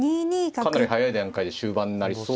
かなり早い段階で終盤になりそうですかね。